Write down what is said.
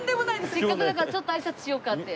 せっかくだからちょっと挨拶しようかって。